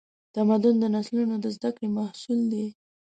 تمدن د نسلونو د زدهکړې محصول دی.